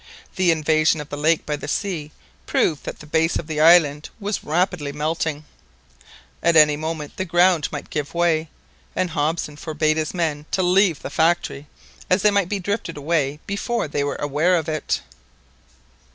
The invasion of the lake by the sea proved that the base of the island was rapidly melting. At any moment the ground might give way, and Hobson forbade his men to leave the factory, as they might be drifted away before they were aware of it.